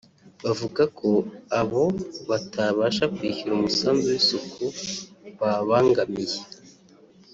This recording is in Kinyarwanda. bavuga ko abo batabasha kwishyura umusanzu w’isuku bababangamiye